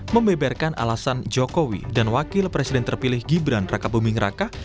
membeberkan alasan jokowi dan wakil presiden terpilih gibran raka buming raka